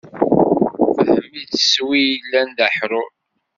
Fehm-itt s wi illan d aḥrur.